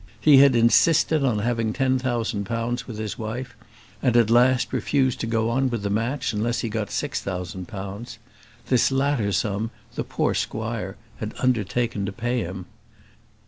He had insisted on having ten thousand pounds with his wife, and at last refused to go on with the match unless he got six thousand pounds. This latter sum the poor squire had undertaken to pay him.